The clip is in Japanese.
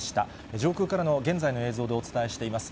上空からの現在の映像でお伝えしています。